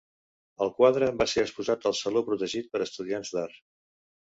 El quadre va ser exposat al Saló, protegit per estudiants d'art.